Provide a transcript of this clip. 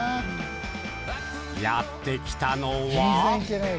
やってきたのは。